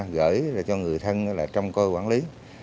gửi cho người thân là trong côi quản lý